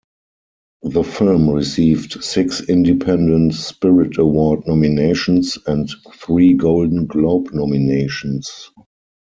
The film received six Independent Spirit Award nominations and three Golden Globe nominations.